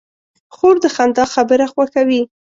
خور د خندا خبره خوښوي.